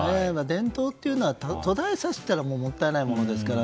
伝統というのは途絶えさせたらもったいないものですから。